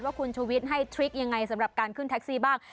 ว่าคุณชุวิตให้ทริคยังไงสำหรับการขึ้นแท็กซี่บ้าง